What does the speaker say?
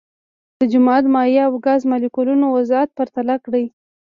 د جامد، مایع او ګاز مالیکولونو وضعیت پرتله کړئ.